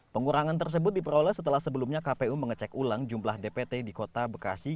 pengurangan tersebut diperoleh setelah sebelumnya kpu mengecek ulang jumlah dpt di kota bekasi